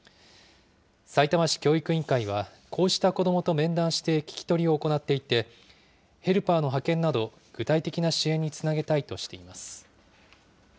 さいたま市教育委員会は、こうした子どもと面談して、聞き取りを行っていて、ヘルパーの派遣など、具体的な支援につなげたいとしています。